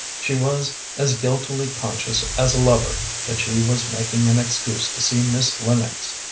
She was as guiltily conscious as a lover that she was making an excuse to see Miss Lennox.